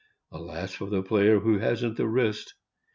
(Alas! for the player who hasn't the wrist!)